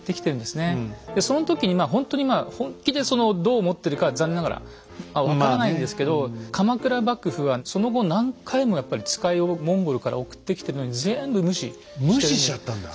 その時にほんとに本気でそのどう思ってるかは残念ながら分からないんですけど鎌倉幕府はその後何回もつかいをモンゴルから送ってきてるのにぜんぶ無視してるんで。